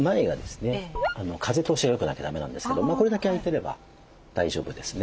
風通しがよくなきゃだめなんですけどこれだけ空いてれば大丈夫ですね。